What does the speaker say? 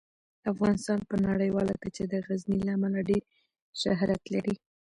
افغانستان په نړیواله کچه د غزني له امله ډیر شهرت لري.